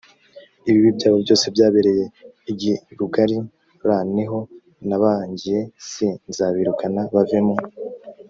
ibibi byabo byose byabereye i gilugali r ni ho nabangiye s nzabirukana bave mu